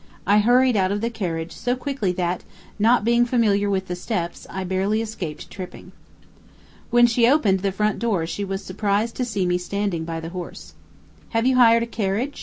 I hurried out of the carriage so quickly that, not being familiar with the steps, I barely escaped tripping. When she opened the front door she was surprised to see me standing by the horse. "Have you hired a carriage?"